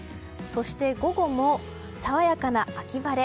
そして、午後も爽やかな秋晴れ。